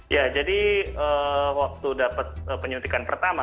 ya jadi waktu dapat penyuntikan pertama